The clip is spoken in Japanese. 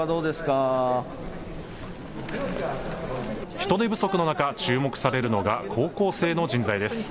人手不足の中、注目されるのが高校生の人材です。